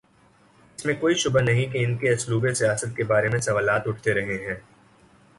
اس میں کوئی شبہ نہیں کہ ان کے اسلوب سیاست کے بارے میں سوالات اٹھتے رہے ہیں۔